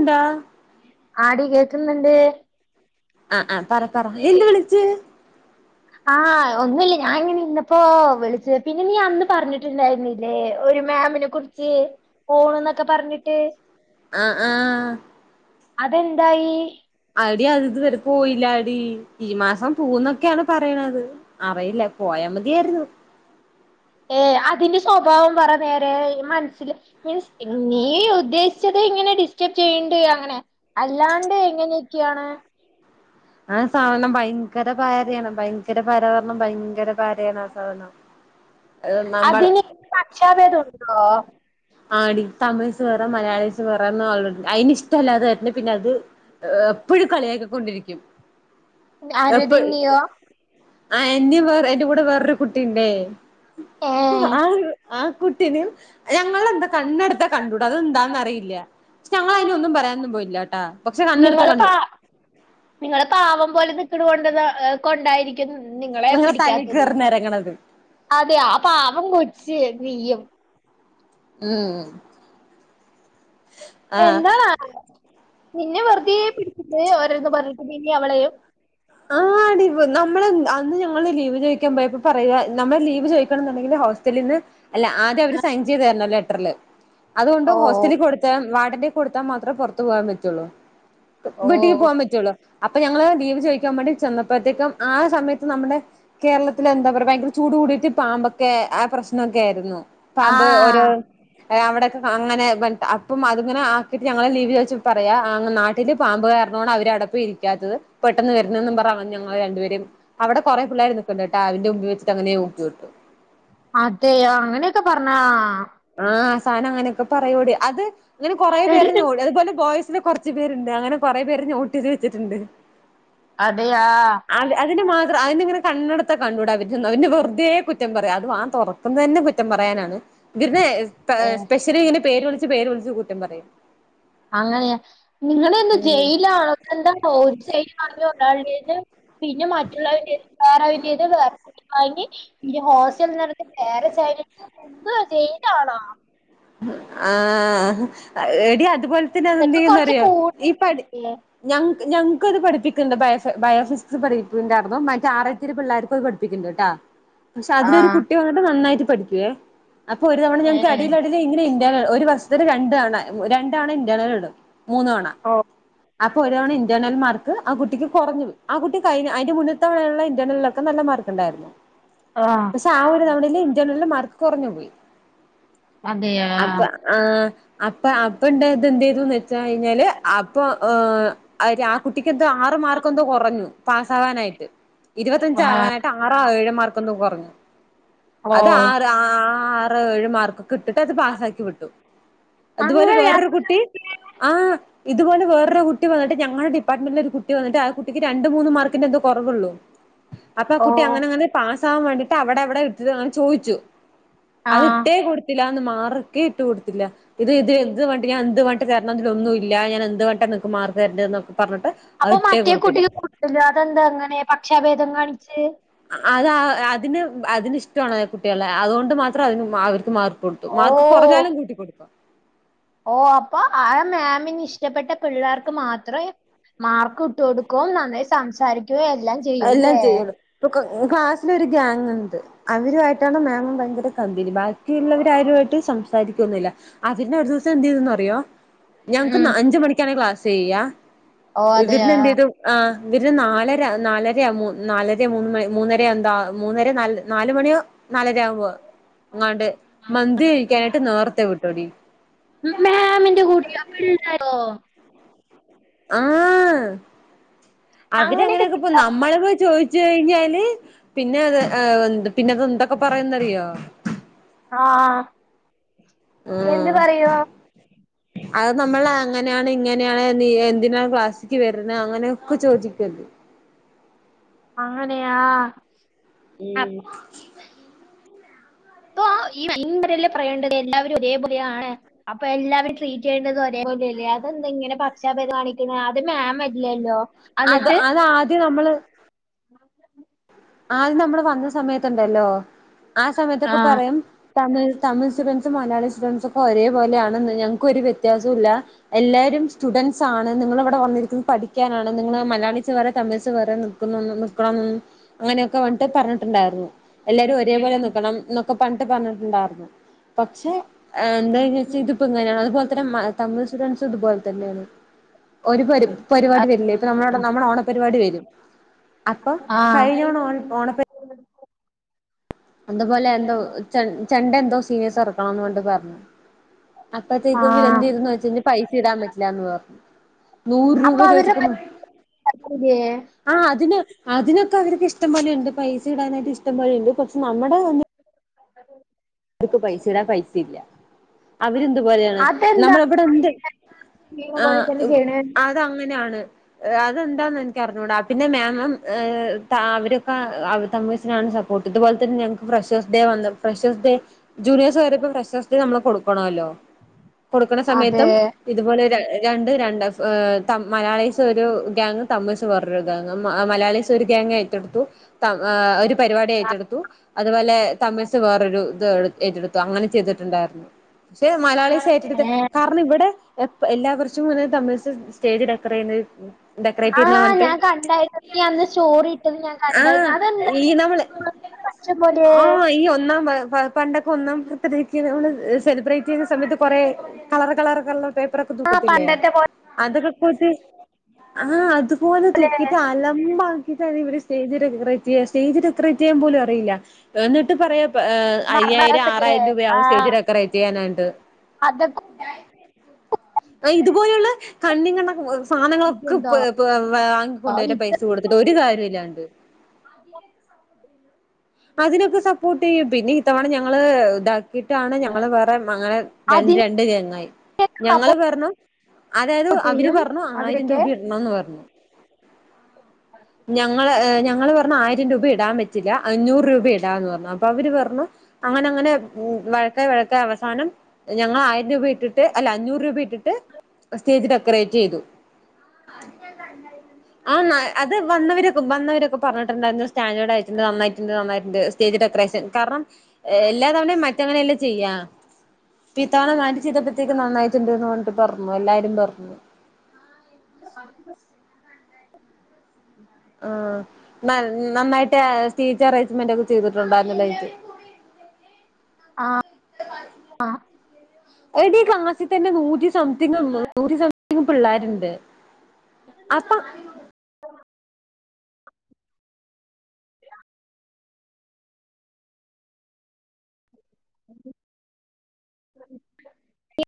ണ്ടാ ആടി കേ കുന്നുണ്ട് ആ ആ പറ പറ എന്ത് വിളിച്ചു ആ ഒന്നുല്ല ഞാങ്ങന ഇന്നപ്പോ വിളിച്ചത് പിന്നെ നീ അന്ന് പറഞ്ഞിട്ടുണ്ടായിരുന്ന പിന്നെ ഒരു മാമിനെ കുറിച്ച് പോഓണന്നൊക്കെ പറഞ്ഞിട്ട് ആഹ് ആഹ് അതെന്തായി അവിടെ അത് ഇത്വരെ പോയില്ല അവിടി ഈ മാസം പൂന്നൊക്കെയാണ് പറയണത് അറിയില്ലേ പോയാൽ മതിയായിരുന്നു ഏ അതിന്റെ സ്വഭാവം പറ നേരെ മനസ്സിില് മീൻസ് ഇീ ഉദ്ദേശിച്ചത് ഇങ്ങനെ ഡിസ്റ്റേബ് ചെയ്യണ്ട് അങ്ങനെ അല്ലാണ്ട് എങ്ങനെയക്കാണ് ആ സാധനം ഭയങ്കര ഭാര്ാരയാണ് ഭയങ്കര പാര പറണം ഭയങ്കര ഭാരയാണ് ആ സാധനം നമ്മൾ അതിന് അക്ഷാപേദംുണ്ടോ ആടി തമിഴ്സ് വേറെ മലയാളി വേറെന്ന്ളണ്ട് അയിന് ഇഷ്ടമല്ലാതായിെ പിന്നെ അത് എപ്പഴും കളിയാക്കിക്കൊണ്ടിരിക്കും എപ്പ ആരതിന്റെയോ ആ എന്നും വേ എന്റെ കൂടെ വേറൊരു കുട്ടിുണ്ടേ ഏ ആ ആ കുട്ടീിന ഞങ്ങെ കണ്ണെടുത്ത കണ്ടട അതെന്താന്ന് അറിയില്ല പക്ഷെ ഞങ്ങൾ അതിനൊന്നും പറയാനന്നും പോയില്ല ട്ടാ പക്ഷെ കണ്ണെടുത്ത നിങ്ങള് കണ്ടട പ നിങ്ങള് പാവം ത് നിങ്ങളെ പിടിക്കാത്തത് അതെ ആ പാവം കൊച്ച് തെയ്യം ഉം ആഹ് എന്താണ് പിന്നെ വെറുതെ പിടിക്കുന്നത് ഓരോന്ന് പറഞ്ഞിട്ട് ഇനി അവളയും ആ ആടി നമ്മള അന്ന് ഞ നമ്മള് ലീവ്ചൊയിക്കാൻ പോയപ പറയ നമ്മ ലീവ് ചോ കുണ്ടെങ്കിൽ ഹോസ്റ്റലിന്ന് അല്ല ആദ്യം അവര് സൈൻ ചെയ്തു തരണ ലെറ്ററില് അതുകൊണ്ട് ഓ ഹോസ്റ്റലിൽ കൊടുത്ത വാർഡിന്റെ കൊടുത്താൽ മാത്രേ പുറത്ത് പോകൻ പറ്റുള്ളൂ ഓ വീട്ടിക്ക് പോവാൻ പറ്റുവുള്ളോ അപ്പൊ ഞങ്ങള് ലിവ് ചോദിക്ക കാൻ വേണ്ടി ചെന്നപ്പോഴ്ത്തേക്കും ആ സമയത്ത് നമ്മുടെ കേരളത്തിലെ എന്താ പറയാ ഭയങ്കര ചൂട് കൂടിയിട്ട് പാമ്പൊക്കെ ആ പ്രശ്നം ണൊക്കെ ആയിരുന്നു പാമ്പ് ഓരൊ ആഹ് അവിടൊക്കെ അങ്ങനെ അപ്റ്റ അപ്പ അതിങ്ങനെ ആക്കിട്ട് ഞങ്ങളെ ലീവ് ചൊ ചപൊ പറയാ നാട്ടില് പാമ്പ് കാരണൊണ് അവര് അവിടെ പൊയി ഇരിക്കാത്തത് വരുന്നതെന്നും പറ ഞങ്ങൾ ആ രണ്ടുപേരും അവിടെ കുറെ പിള്ളേർ നിക്കക്കുന്നുണ്ട് കേട്ടാ അവന്റെ വെച്ചിട്ട് അങ്ങനെ ഊക്കിവിട്ടു അതെയോ അങ്ങനെയൊക്കെ പറഞ്ഞാ ആഹ് ആസാനം അങ്ങനൊക്കെ പറയൂടി അത് ഇങ്ങനെ കൊറേ എടി പേരന്നോട് അതുപോലെ ബോയ്സ് ന്ന് കൊറ് ഞ്ച് പേരുണ്ട് അങ്ങനെ കൊറേ പേരെ നോട്ടയ്ത് വെച്ചിട്ടുണ്ട്. അതെയാ അത് അതിന് മാത്രം അയിന്ങ്ങനെ കണ്ണെടുത്താകണ്ടൂട [unintelligible] തെ കുറ്റം പറ്യാ അതും വാ തൊറക്കുന്നന്നെ കുറ്റം പറയാനാണ് ഇവര്നെ ഏ സ്പെഷ്യലി ഇങ്ങനെ പേര് വിളിച്ച് പേര് വിളിച്ച് കുറ്റം പറയും അങ്ങനെയാ നിങ്ങളു എന്താ ഉം ജയിലാണോ [unintelligible] വാങ്ങിയത് പിന്നെ മറ്റുള്ളവരുടെത് [unintelligible] ഹോസ്റ്റല് നടത്തി [unintelligible] സീനാണൊ മ്ഹ് ആഹ് ഏടി അ അതുപോല് തന്നെ ഇതൊക്കെ കൊറച്ച് അതെന്തയ്യുന്നറിയൊ കൂടില്ലേ ഈ പഠി ഞങ്ങ്ക്ക് ഞങ്ങ്ക്കത് പഠിപ്പിക്ക്ണ്ട് ബയോഫ് ബയോഫിസിക്സ് [unintelligible] ഇരിപ്പുണ്ടായിരുന്നു മറ്റെ ആറായിത്തിരു പിള്ളാർക്കും ഇത് പഠിപ്പിക്ക്ണ്ട്ട്ടൊ പക്ഷെ അതിലൊരു ആഹ് കുട്ടി വന്നിട്ട് നന്നായിട്ട് പഠിക്കേ അപ്പൊ ഒരു തവണ ഞന്ക്ക് ഏഹ് എടീല് എടീല് ഇങ്ങനെ ഇന്റേണല് ഒരു വർഷത്തില് രണ്ട് തവണ മ് ര റ്റാണെ ഇൻ്റേണല് ഇടും മൂന്ന് തവണ ഓ അപ്പൊ ഒരു തവണ ഇന്റേര്ണൽ മാർക്ക് ആ കുട്ടിക്ക് കൊറഞ്ഞു പോയി. ആ കുട്ടി കഴിഞ്ഞ അയിന്റെ മുന്നത്തെ തവണെയിള്ള ഇന്റേണലൊക്കെ നല്ല മാർക്ക് ഇണ്ടായിരുന്നു. ആഹ് പക്ഷെ ആ ഒരു തവണയില് ജനറല് മാർക്ക് കൊറഞ്ഞു പോയി അതെയാ അപ്പ ആ അപ്പ അപ്പണ്ടായത് എന്തെയ്തുന്ന് വെച്ച കഴിഞ്ഞാല് അപ്പൊ ആര്യാ ആ കുട്ടിക്കന്തോ ആറ് മാർക്കന്തോ കൊറഞ്ഞു പാ സവാനായിട്ട് ആഹ് ഇരുപത്തഞ്ചാവാനായിട്ട് ആറാ ഏഴ് മാർക്കൊന്ന് കൊർഞ്ഞു ഓ അത് ആറ് ആ ആ റ് ഏഴു മാർക്ക് കിട്ടിട്ട് അത് പാസ്സാക്കി വിട്ടു അതുപോലെ അങ്ങനെയാ വേറൊരു കുട്ടി ആ ഇതുപോലെ വേറൊരു കുട്ടി വന്നിട്ട് ഞങ്ങളുടെ ഡിപ്പാർട്ട്മെന്റിലൊരു കുട്ടി വന്നിട്ട് ആ കുട്ടിക്ക് രണ്ട് മൂന്ന് മാർക്കിന്റെ എന്തോ കൊർവൊള്ളൂ അപ്പൊ ആ ഓ കുട്ടി അങ്ങനെ അങ്ങനെ പാസ്സ് സ്സാവാൻ വേണ്ടിട്ട് അവിടെ അവിടെ എടുത്തത് അങ്ങനെ ചോദിച്ചു അത് ആഹ് ഇട്ടേ കൊടുത്തിലാന്ന് മാറ് ക്കേ ഇട്ട് കൊടുത്തില്ല ഇത് ഇത് എന്ത് വേണ്ടി ഞാ എന്ത് വാണ്ടിട്ട് തര്ണം തിലൊന്നും ഇല്ല ഞൻ എന്ത് വേണ്ടിട്ടാ മാർക്ക് തെര്ന്റ്നൊക്കെ അപ്പൊ മറ്റേ കുട്ടിക്ക് [unintelligible] അതെന്തേ അങ്ങനെ പക്ഷ ക്ഷാ വേദം കാണി അത് അതിന് അതിന് ഇഷ്ടമാണ് കുട്ടികളെ അതുകൊണ്ട് മാത്രം അതിന് മാ ത്ക്ക്മാർ കൊടുത്തു മാർക്ക് ഓഹ് കൊറഞ്ഞാലും കൂട്ടി കൊടുക്കും ഓ അപ്പൊ ആ മാമിന് ഇഷ്ടപ്പെെട്ട പിള്ളേർക്ക് മാത്രേ മാർക്ക്- ഇട്ട് കൊടുക്കും നന്നായി സംസാരിക്കുകയും എല്ലാം എല്ലാം ചെയ്യൂല്ലേ ചെയ്യുള്ളൂ ഇപ്പൊ ക്ലാസ്സിലൊര് ഗ്യങ് ഉണ്ട് അവരുവായിട്ടാണ് മാമം ഭയങ്കര- കമ്പനി ബാക്കിയുള്ളവര ആരുമായിട്ട് സംസാരിക്കൊന്നില്ല അതിനെ ഒരു ദിവസം എന്ത് ചെയ്തെന്ന്റിയോ ഉം ഞങ്ങക്ക് അഞ്ച മണിക്കാണ് ക്ലാസ് ചെയ്യ ഓ അതെ നന് ഇതും ആ് ഇര നാലര നാലരയാ മൂ നാലര മൂന്ന് മണി മൂന്നര എന്താ മൂന്നര ന നാല മണിയോ നാലരയാകുമ്പോ അങ്ങാണ്ട് മന്തി കഴിക്കാനായിട്ട് നേരത്തെ വിട്ടോടി ഓ ആഹ അങ്ങനെയൊക്കെ അവര്ങ്ങനെയൊക്കെ പോ നമ്മള പോയി ചോയിിച്ച കഴിഞ്ഞാല് പിന്നെ എ പിന്നെ അതെന്തൊക്കെ പറയുന്നറിയോ ആഹ ഉ അത് നമ്മൾ അങ്ങനെയാണ് ഇങ്ങന നീ എന്തിനാണ് ക്ലാസ്സിക്ക് വരുന്നത് അങ്ങനെയൊക്കെ ചോദിക്കല്ലോ അങ്ങനെയാ ഉം അപ്പൊ മൻ പറല്ലേ പറയേണ്ടത് എല്ലാവരും ഒരേപോലെയാണ് അപ്പൊ എല്ലാവരും ട്രീറ്റ് ചെയ്യേണ്ടത് ഒരേപോലെല്ലേ അതെന്താ ഇങ്ങനെ പചക്ഷപേധം കാണിക്കുന്നത് അത് മാം അല്ലാലോ അത് അതാദ്യം നമ്മള് [unintelligible] ആദ്യ നമ്മള് വന്ന സമയത്തുണ്ടല്ലോ ആ സമയത്തൊക്കെ ആഹ് പറയും തമിഴ തമിഴ് സ്റ്റുഡന്റസ് മലയാളി സ്റ്റുഡന്റ് ഒക്കെ ഒരേ പോലെയണെന്ന് ഞങ്ങക്കൊര് വ്യത്യാസവും ഇല്ല എല്ലാവാരും സ്റ്റുഡന്റ്സ് സാണ് നിങ്ങള ഇവിടെ വന്നിരിക്കുന്നത് പഠിക്കാനാണ് നിങ്ങൾ മലയാളിസ് വേറെ തമിഴ്സ് വേറെ നിൽക്കുന്നന്നും നിക്കണം ന്ന് അങ്ങനെയൊക്കെ പണ്ടിട്ട് പറഞ്ഞിട്ടുണ്ടായിരുന്നു എല്ലാരും ഒരേപോലെ നൽക്കണം എന്നൊക്കെ പഞ്ഞിട്ട് പറഞ്ഞിട്ടുണ്ടായിരുന്നു പക്ഷെ എന്താെ ഇതിപ്പ ഇങ്ങനെയാണ് അതുപോലെ തന്നെ തമിഴ് സ്റ്റുഡസ് ഇതുപോലെ തന്നെയാണ് ഒരു പ പരിപാടി വരില്ലേ ഇപ്പ നമ്മ നമ്മുടെ ഓണപരിപാടി വരും [unintelligible] അപ്പൊ ആ കഴിഞ്ഞ തവണ ഓണ ഓണപ്പ അതുപോലെ എന്തോ ചെണ്ട എന്തോ സീനിയസ് പറണംന്ന് വണ്ട പറഞ്ഞു [unintelligible] അപ്പത്തേക്കും ഇവലന്തിയത് വെച്ചഞ്ഞ പൈസ ഇടാൻ ആഹ് പറ്റില്ല എന്ന് പറഞ്ഞു നൂറ് രൂപ അപ്പൊ അവരുടെ ചേദിക്കുന്നു പറ്റില്ലേ ആ അതിന് അതിനൊക്കെ അവർക്ക് ഇഷ്ടപോലെ ഉണ്ട് പൈസ ഇടാനായിട്ട് ഇഷ്ടംപലെയണ്ട് നമ്മുടെ അ [inaudible] അവർക്ക് പൈസ ഇടാ പൈസ ഇല്ല അവരന്തു പോലെയാണ് അതെന്താ നമ്മളവിടെ എന്ത് ചെയ്യുന്ന ആ പോലെ തന്നെ ചെയ്യണേ അതങ്ങനെയാണ് [inaudible] അതെന്താന്ന് എനക്ക് അറിഞ്ഞുകൂടാ പിന്നെ മാമം അവരൊക്കെ തമഴസിനാണ് സ പ്പോട്ട് ഇതു പോലെ തന്നെ ഞങ്ങൾക്ക് ഫ്രഷേഴ്‌സ് ഡേ വന്ന് ഫ്രഷസ് ഡേ ജൂനിയർസ് വരുമ്പോ ഫ്രഷാസ് ഡേ നമ്മള് കൊടുക്കണല്ലോ? കൊടുക്കണ സമയത്തും അതെ ഇതുപോലെ രണ്ട് രണ്ട് മലയാളീസ് ഒരു ഗാങ് തമിയ്‌സ് വേറെ ഒരു ഗ്യാങ്ങ മലയാളിസ് ഒരു ഗ്യാങ് ഏറ്റെടുത്തു ഒരു പരിപാടി എറ്റെടുത്തു അതുപോലെ തമിഴ്സ് വേറൊരു എറ്റെടുത്ത് അങ്ങനെ ചെയ്തിട്ടുണ്ടായിരുന്നു പക്ഷെ മലയാളി സേറ്റെടുത്ത് കാരണം ഇവിടെ എല്ലാാവർഷും ഇങ്ങനെ തമിഴ് സ്റ്റേജ് ത്രയന്ന് ആഹ ഞാൻ കണ്ടായിരുന്നു നീ അന്ന് സ്റ്റോറി ഇട്ടന്ന് ഞാൻ ആഹ് കണ്ടായിരുന്നു അതെന്താ ഈ നമ്മള് പക്ഷം പോല ആഹ് ഈ ഒന്നാം പണ്ടൊക്കെ ഒന്നാം ബർത്ത്ഡേക്ക് നമ്മൾ സെലിബ്രേറ്റ് ചെയ്യുന്ന സമയത്ത് കുറെേ കളർ കളർ ക [unintelligible] ആ ക്കത്തില്ല പണ്ടത്തെ അ ആഹ അത് [unintelligible] പോലെ തൂക്കിട്ട് അലമ്പ ഇവ സ്റ്റേജേറ്റ് [unintelligible] സ്റ്റേജ്ഡെക്രേറ്റ് ചെയ്യാൻ പോലും അറിയില്ല എന്നിട്ട് പറയാ അയ്യായിരം മരണസൊക്കെ ആറായിരം രൂപയാക സ്റ്റേജ് ഡക്കറേറ്റ് ചെയ്യാനായിട്ട് അതൊക്കെ ആ ഇതുപോലെയുള്ള കണ്ണി കണ്ണക്കെ സാധനങ്ങളൊക്കെ ഉണ്ടോ [unintelligible] വാങ്ങിക്കൊണ്ട് വര ഇത് പൈസ കൊടുത്തിട്ട് ഒരു കാര്യം ഇല്ലാണ്ട് അതിനൊക്കെ സഭത്തില്ല അതിനൊക്കെ ട്ടി പിന്നെ ഇത്തവണ ഞങ്ങള് ഡാ ട്ടാണ് ഞങ്ങൾ വേറെ അങ്ങനെ രണ്ട് അതിനൊക്കെ രണ്ട് ഗാങ്ങായി ഞങ്ങള് സപ്പോർട്ട് പറഞ്ഞു അതായത് അവര് ചെയ്യും പറഞ്ഞു ആയിരം അവരൊക്കെ രൂപ ഇടണംന്ന് പറഞ്ഞു. ഞങ്ങള് ഞങ്ങള് പറഞ്ഞ ആയിരം രൂപ എ മെച്ചില അഞ്ഞൂറ് രൂപ ഇടാന്ന് പറഞ്ഞു അപ്പൊ അവര് പറഞ്ഞു അങ്ങനെ അങ്ങനെ വഴക്ക വഴക്ക അവസാനം ഞങ്ങൾ ആയിരം രൂപ ഇട്ടിട്ട് അല്ല അഞ്ഞൂറ് രൂപ ഇട്ടിട്ട് സ്റ്റേജ് ഡെക്കറേറ്റ് ചെയ്തു ആ അത് വന്നവരൊക്കെ വന്നവരൊക്കെ പറഞ്ഞിട്ടുണ്ടായിരുന്നു സ്റ്റാൻഡേഡ് ആയിട്ടുണ്ട് നന്നായി ന്നായി സ്റ്റേജ് ഡെക്കറേഷൻ കാരണം എല്ലാ തവണയും മറ്റവനെ അല്ലേ ചെയ്യാ ഇപ്പൊ ഇത്തവണ മാറ്റി ചെയ്തപ്പത്തേക്ക് നന്നായിട്ടുണ്ട്ന്ന് പറഞ്ഞിട്ട് പറഞ്ഞു എല്ലാരും പറഞ്ഞു അ ആഹ് നൽ നന്നായിട്ട് സ്‌റ്റേജ് അറേഞ്ച്മെന്റ് ഒക്കെ ചെയ്തിട്ടുണ്ടുണ്ടായിരുന്നു ലൈറ്റ് ആഹ് ആഹ് എടീ ക്ലാസി തന്നെ നൂറ്റി സംതിങ് നൂറ്റി സംതിങ് പിള്ളേര്ണ്ട് അപ്പം ഇ